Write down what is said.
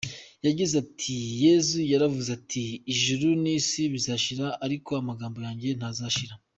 Yagize ati “Yezu yaravuze ati ‘Ijuru n’isi bizashira, ariko amagambo yanjye ntazashira.